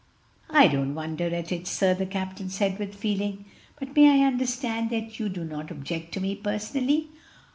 "I don't wonder at it, sir," the captain said with feeling. "But may I understand that you do not object to me personally?"